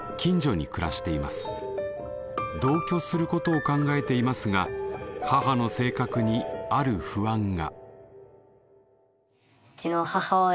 同居することを考えていますが母の性格にある不安が。